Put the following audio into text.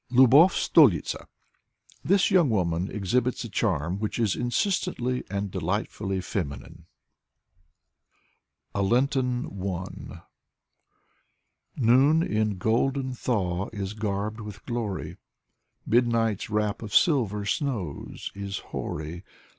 Lubov Stolitza This youDg woman poet exhibits a charm which is insistently and delightfully feminine. 162 Lubov Stolitza 163 A LENTEN ONE Noon in golden thaw is garbed with glory, Midnight's wrap of silver snows is hoary.